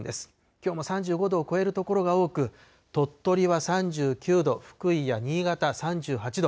きょうも３５度を超える所が多く、鳥取は３９度、福井や新潟３８度。